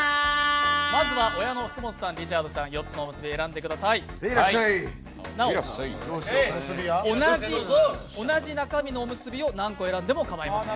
まずは親の福本さんリチャードさん４つのおむすび選んでくださいなお、同じ中身のおむすびを何個選んでも構いません。